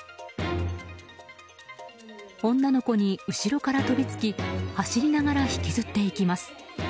女の子に後ろから飛びつき走りながら引きずっていきます。